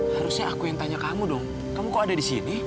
harusnya aku yang tanya kamu dong kamu kok ada di sini